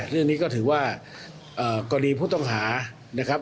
เรื่องนี้ก็ถือว่ากรณีผู้ต้องหานะครับ